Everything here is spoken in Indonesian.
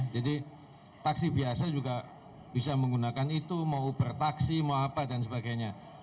jadi taksi biasa juga bisa menggunakan itu mau bertaksi mau apa dan sebagainya